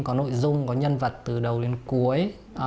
có nội dung có nhân vật từ đầu đến cuối